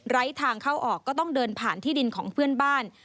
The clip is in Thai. ทางเข้าออกก็ต้องเดินผ่านที่ดินของเพื่อนบ้าน